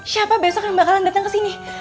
siapa besok yang bakalan datang kesini